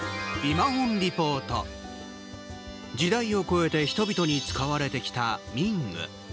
時代を超えて人々に使われてきた民具。